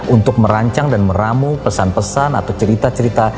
untuk merancang dan meramu pesan pesan atau cerita cerita